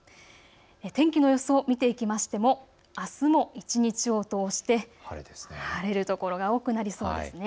天気の様子を見ていきますとあすも一日を通して晴れる所が多くなりそうです。